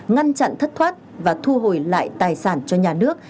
ngăn chặn thất thoát và thu hồi lại tài sản cho nhà nước